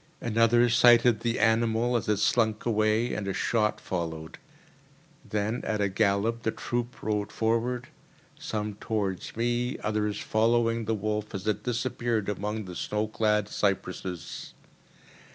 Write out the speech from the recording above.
Another sighted the animal as it slunk away, and a shot followed. Then, at a gallop, the troop rode forward—some towards me, others following the wolf as it disappeared amongst the snow clad cypresses.